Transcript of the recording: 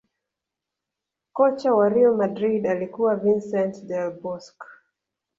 Kocha wa real madrid alikuwa Vincent Del Bosque